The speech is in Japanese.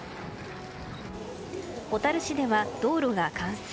小樽市では道路が冠水。